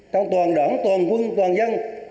trong toàn đoàn toàn quân toàn dân